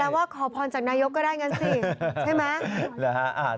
แปลว่าขอพรจากนายุคก็ได้กันสิใช่ไหม